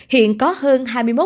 hiện có hơn